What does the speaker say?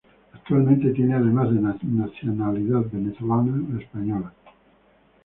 Actualmente tiene además de nacionalidad venezolana, la española.